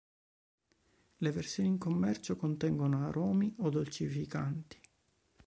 Le versioni in commercio contengono aromi o dolcificanti.